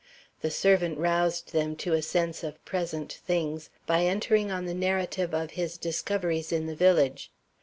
The servant roused them to a sense of present things, by entering on the narrative of his discoveries in the village.